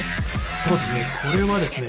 そうですね。